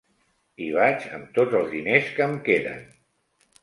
Hi vaig amb tots els diners que em queden.